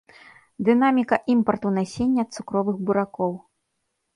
Дынаміка імпарту насення цукровых буракоў.